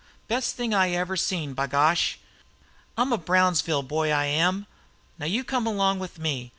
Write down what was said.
Best thing I ever seen, b'gosh! I'm a Brownsville boy, I am. Now you come along with me.